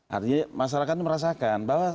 artinya masyarakat merasakan bahwa